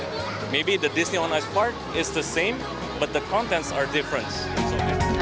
mungkin di disney on ice park sama tapi kontennya berbeda